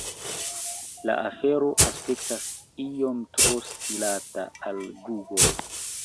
La afero aspektas iom tro stirata de Google.